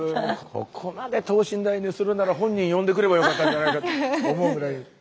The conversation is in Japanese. ここまで等身大にするなら本人呼んでくればよかったんじゃないかと思うぐらい。